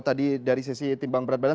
tadi dari sisi timbang berat badan